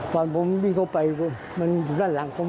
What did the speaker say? ตอนผมวิ่งเข้าไปมันอยู่ด้านหลังผม